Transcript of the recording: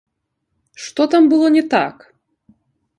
Што там было не так?